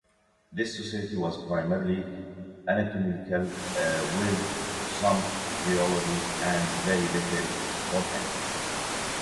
This society was primarily entomological with some geology and very little botany.